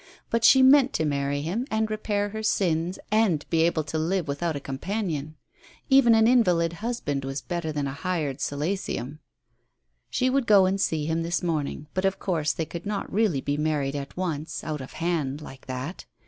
But she meant to marry him, and repair her sins, and be able to live without a companion. Even an invalid husband was better than a hired solacium. She would go and see him this morning, but of course they could not really be married at once, out of hand, like that.